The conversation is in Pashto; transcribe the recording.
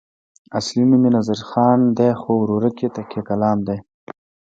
اصلي نوم یې نظرخان دی خو ورورک یې تکیه کلام دی.